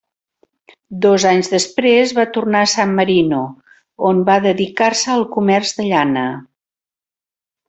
Dos anys després va tornar a San Marino, on va dedicar-se al comerç de llana.